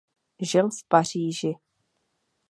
Žil v Paříži.